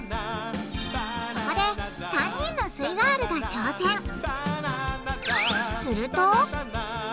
そこで３人のすイガールが挑戦す